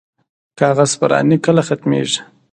کاغذ پراني کله ختمیږي؟